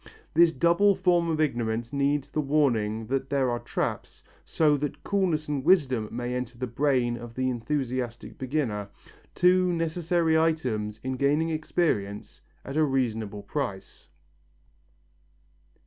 This double form of ignorance needs the warning that there are traps, so that coolness and wisdom may enter the brain of the enthusiastic beginner, two necessary items in gaining experience at a reasonable price.